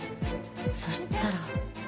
そしたら。